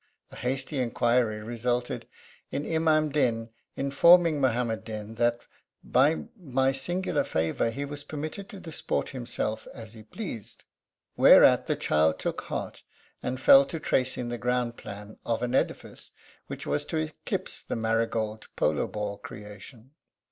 A hasty inquiry resulted in Imam Din informing Muhammad Din that, by my singular favour, he was permitted to disport himself as he pleased. Whereat the child took heart and fell to tracing the ground plan of an edifice which was to eclipse the marigold polo ball creation.